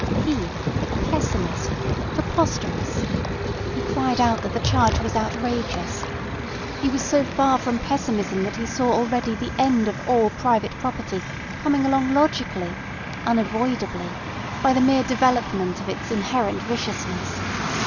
He a pessimist! Preposterous! He cried out that the charge was outrageous. He was so far from pessimism that he saw already the end of all private property coming along logically, unavoidably, by the mere development of its inherent viciousness.